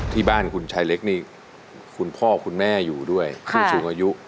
ที่บ้านคุณชายเล็กนี่คุณพ่อคุณแม่อยู่ด้วยผู้สูงอายุ